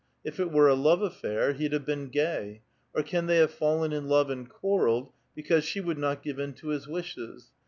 If it were a love affair, he'd have been gay. Or can they have fallen in love and quarrelled, because she would not give in to his wishes?